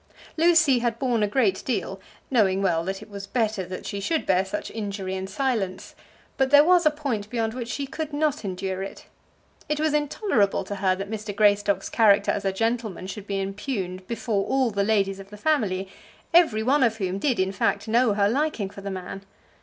Lucy had borne a great deal, knowing well that it was better that she should bear such injury in silence; but there was a point beyond which she could not endure it. It was intolerable to her that Mr. Greystock's character as a gentleman should be impugned before all the ladies of the family, every one of whom did, in fact, know her liking for the man.